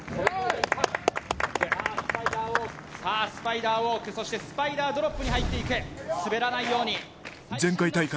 スパイダーウォークそしてスパイダードロップに入っていく前回大会